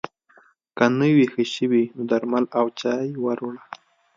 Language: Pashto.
که نه وي ښه شوی نو درمل او چای ور وړه